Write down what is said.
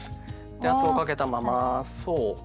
で圧をかけたままそう。